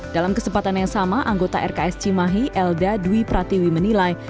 dalam kesempatan yang sama anggota rks cimahi elda dwi pratiwi menilai